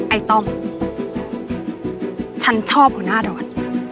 ไอ้ต้อมฉันชอบหัวหน้าดอน